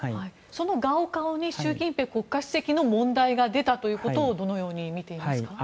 そのガオカオに習近平国家主席の問題が出たということをどのように見ていますか。